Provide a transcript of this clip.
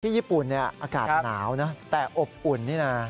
ที่ญี่ปุ่นเนี่ยอากาศหนาวเนอะแต่อบอุ่นนี่น่ะ